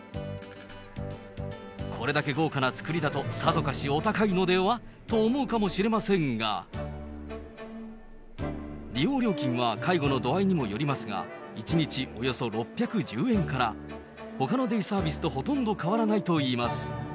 これだけ豪華な作りだと、さぞかしお高いのでは？と思うかもしれませんが、利用料金は介護の度合いにもよりますが、１日およそ６１０円から、ほかのデイサービスとほとんど変わらないといいます。